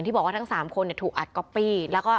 ทั้ง๓คนถูกอัดก็ปี